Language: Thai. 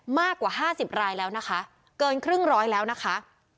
มากกว่า๕๐รายแล้วนะคะเกินครึ่งร้อยแล้วนะคะ